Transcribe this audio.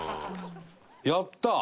やったー！